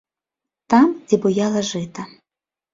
Там, дзе буяла жыта.